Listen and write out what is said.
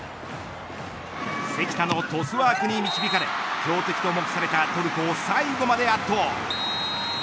関田のトスワークに導かれ強敵と目されたトルコを最後まで圧倒。